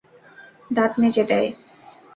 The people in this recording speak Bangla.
দাঁত মেজে দেয়।